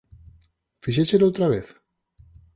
Fixéchelo outra vez?